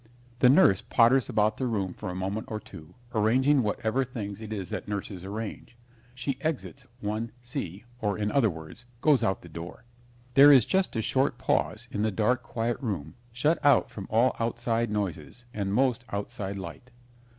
The nurse potters about the room for a moment or two, arranging whatever things it is that nurses arrange. She exits l. c., or, in other words, goes out the door. There is just a short pause in the dark, quiet room shut out from all outside noises and most outside light.